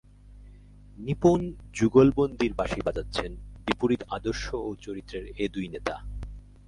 নিপুণ যুগলবন্দীর বাঁশি বাজাচ্ছেন বিপরীত আদর্শ ও চরিত্রের এ দুই নেতা।